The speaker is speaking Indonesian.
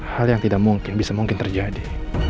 hal yang tidak mungkin bisa mungkin terjadi